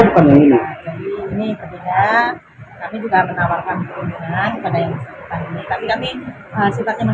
tapi tidak jangkiti keseluruhannya